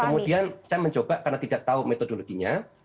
kemudian saya mencoba karena tidak tahu metodologinya